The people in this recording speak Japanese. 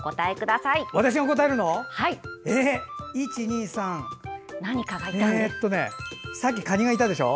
さっきカニがいたでしょ？